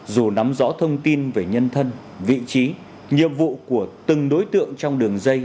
dù nắm rõ thông tin về nhân thân vị trí nhiệm vụ của từng đối tượng trong đường dây